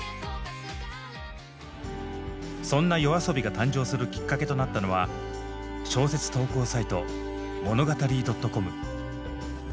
そんなＹＯＡＳＯＢＩが誕生するきっかけとなったのは小説投稿サイト「ｍｏｎｏｇａｔａｒｙ．ｃｏｍ」。